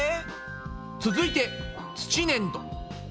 続いて土ねんど。